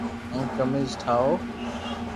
ھون قميس ٺاو